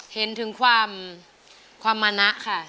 เห็นถึงความความมะนะค่ะ